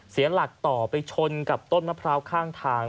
เสียหลักต่อไปชนกับต้นมะพร้าวข้างทาง